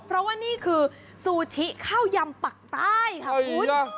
เพราะว่านี่คือซูชิข้าวยำปักใต้ค่ะคุณ